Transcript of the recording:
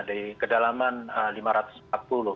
dari kedalaman lima ratus empat puluh